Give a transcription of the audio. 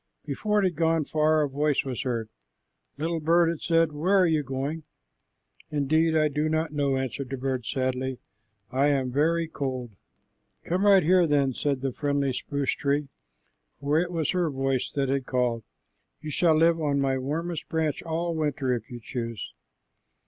Before it had gone far, a voice was heard. "Little bird," it said, "where are you going?" "Indeed, I do not know," answered the bird sadly. "I am very cold." "Come right here, then," said the friendly spruce tree, for it was her voice that had called. "You shall live on my warmest branch all winter if you choose."